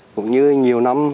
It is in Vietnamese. cũng như nhiều năm